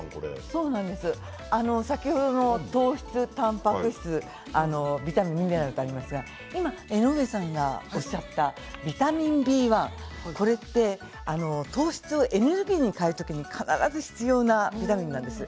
先ほどの糖質、たんぱく質ビタミン、ミネラルありますけれど江上さんがおっしゃったビタミンＢ１、これは糖質をエネルギーに変える時に必要なビタミンなんです。